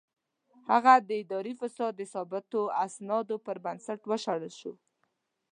هغه د اداري فساد د ثابتو اسنادو پر بنسټ وشړل شو.